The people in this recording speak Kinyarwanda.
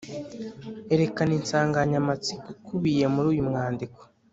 erekana insanganyamatsiko ikubiye muri uyu mwandiko?